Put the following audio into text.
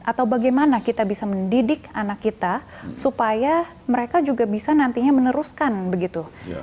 atau bagaimana kita bisa mendidik anak kita supaya mereka juga bisa nantinya meneruskan begitu